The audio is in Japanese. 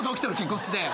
こっちで。